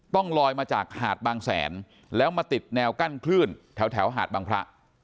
ต้องลอยมาจากหาดบางแสนแล้วมาติดแนวกั้นคลื่นแถวหาดบางพระ